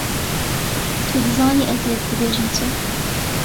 Tu dizanî ez ê bibêjim çi!